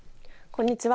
こんにちは。